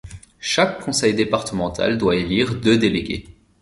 Chaque conseil départemental doit élire deux délégués.